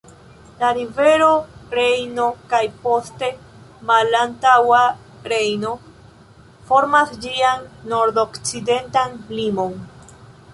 La rivero Rejno kaj poste Malantaŭa Rejno formas ĝian nordokcidentan limon.